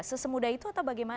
sesemudah itu atau bagaimana